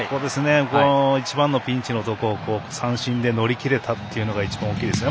一番のピンチのところ三振で乗り切れたっていうのが一番大きいですよね。